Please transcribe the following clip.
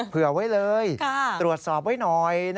เผื่อไว้เลยตรวจสอบไว้หน่อย